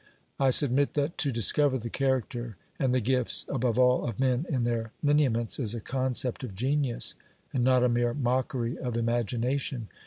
I submit that to discover the character, and the gifts, above all, of men in their lineaments is a concept of genius and not a mere mockery of imagination.